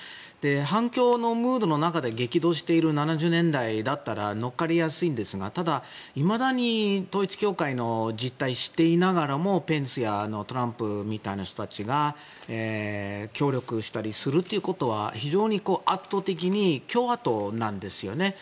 反共ムードの中で激動している７０年代だったらのっかりやすいんですがただ、いまだに統一教会の実態を知っていながらもペンスやトランプみたいな人たちが協力したりすることは非常に圧倒的に共和党なんですよね。